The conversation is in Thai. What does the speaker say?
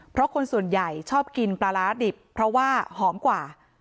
เพราะคนส่วนใหญ่ชอบกินปลาร้าดิบเพราะว่าหอมกว่า